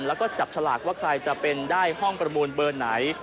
แล้วก็จับฉลากว่าใครจะเป็นได้ห้องประมูลเบอร์ไหน